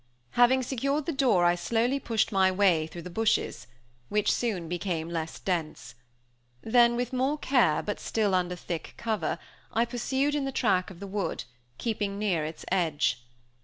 Having secured the door I slowly pushed my way through the bushes, which soon became less dense. Then, with more case, but still under thick cover, I pursued in the track of the wood, keeping near its edge.